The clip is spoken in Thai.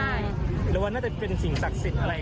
อ๋อใช่หรือว่าน่าจะเป็นสิ่งศักดิ์สิทธิ์อะไรอะไร